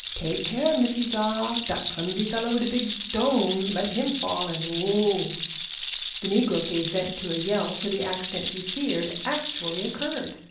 "Take care, missy Za, dat clumsy feller wid the big stone let him fall, and oh!" The negro gave vent to a yell, for the accident he feared actually occurred.